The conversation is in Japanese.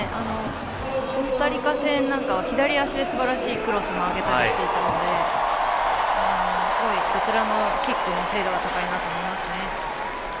コスタリカ戦なんかは左足ですばらしいクロスも上げていたのですごい、どちらのキックも精度は高いなと思います。